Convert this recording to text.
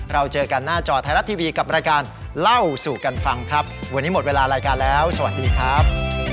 เราเจอกันหน้าจอไทยรัฐทีวีกับรายการเล่าสู่กันฟังครับวันนี้หมดเวลารายการแล้วสวัสดีครับ